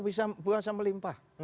bisa buah sama limpah